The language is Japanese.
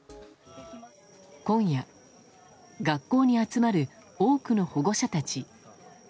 今夜、学校に集まる多くの保護者たち。